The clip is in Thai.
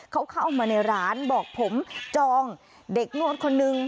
เขาเข้ามาในร้านบอกผมจองเด็กนวดคนนึง